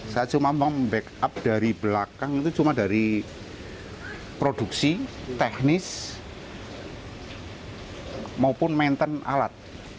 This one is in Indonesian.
saya cuma membackup dari belakang itu cuma dari produksi teknis maupun maintenance alat